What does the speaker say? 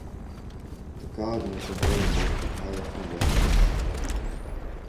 The garden is available for hire for weddings.